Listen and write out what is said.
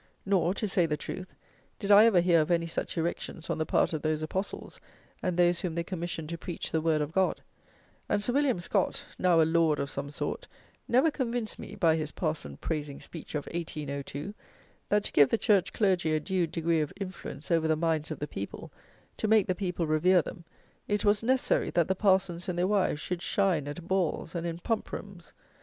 Nor, to say the truth, did I ever hear of any such erections on the part of those Apostles and those whom they commissioned to preach the word of God; and, Sir William Scott (now a lord of some sort) never convinced me, by his parson praising speech of 1802, that to give the church clergy a due degree of influence over the minds of the people, to make the people revere them, it was necessary that the parsons and their wives should shine at balls and in pump rooms.